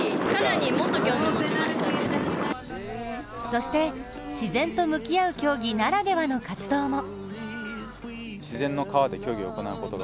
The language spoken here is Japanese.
そして自然と向き合う競技ならではの活動も。